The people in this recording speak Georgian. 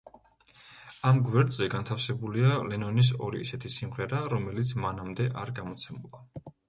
ამ გვერდზე განთავსებულია ლენონის ორი ისეთი სიმღერა, რომელიც მანამდე არ გამოცემულა.